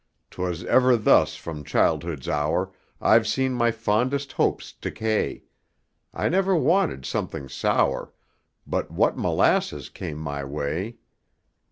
''Twas ever thus from childhood's hour, I've seen my fondest hopes decay: I never wanted something sour, but what molasses came my way.'